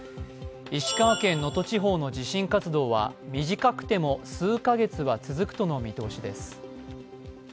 石川県能登地方の地震活動は短くても数カ月は続くとの見通しです。